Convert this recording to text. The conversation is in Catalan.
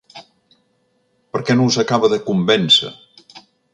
Per què no us acaba de convèncer?